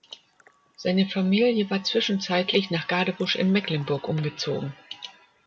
Seine Familie war zwischenzeitlich nach Gadebusch in Mecklenburg umgezogen.